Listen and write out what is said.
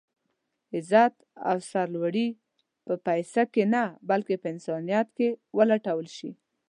عزت او سر لوړي په پيسه کې نه بلکې په انسانيت کې ولټول شي.